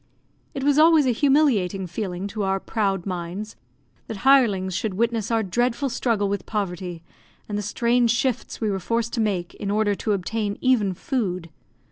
It was always a humiliating feeling to our proud minds, that hirelings should witness our dreadful struggle with poverty, and the strange shifts we were forced to make in order to obtain even food.